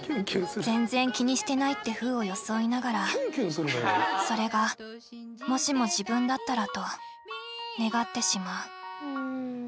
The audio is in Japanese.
全然気にしてないってふうを装いながらそれがもしも自分だったらと願ってしまう。